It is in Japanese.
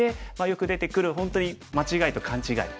よく出てくる本当に間違いと勘違い。